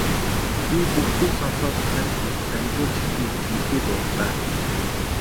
Би бүгдийг сонсоод танд дамжуулж хэлье гэж мэлхий дуугарлаа.